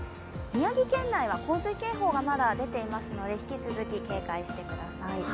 宮城県内は洪水警報がまだ出ていますので引き続き警戒してください。